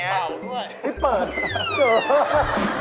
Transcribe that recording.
ให้เป่าด้วย